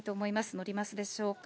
載りますでしょうか。